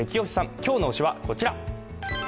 今日の推しはこちら。